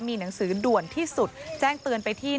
มีหนังสือด่วนที่สุดแจ้งเตือนไปที่